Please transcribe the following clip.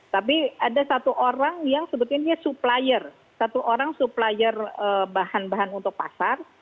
tapi ada satu orang yang sebetulnya dia supplier satu orang supplier bahan bahan untuk pasar